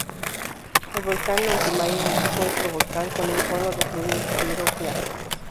El Volcán Lonquimay es de tipo estratovolcán, con un cono de fluidos piroclásticos.